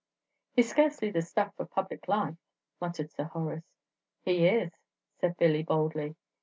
"He's scarcely the stuff for public life," muttered Sir Horace. "He is," said Billy, boldly.